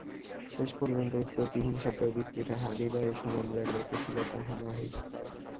শেষ পর্যন্তই প্রতিহিংসাপ্রবৃত্তি তাঁহার হৃদয়ে সমান জাগ্রত ছিল তাহা নহে।